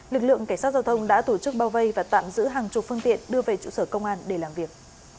lực lượng cảnh sát giao thông đã tổ chức bao vây và tạm giữ hàng chục phương tiện đưa về trụ sở công an để làm việc